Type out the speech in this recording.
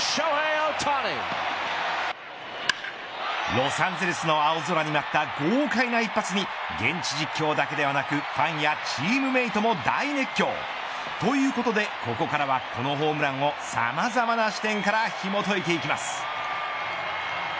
ロサンゼルスの青空に舞った豪快な一発に現地実況だけではなくファンやチームメートも大熱狂。ということでここからはこのホームランをさまざまな視点からひも解いていきます。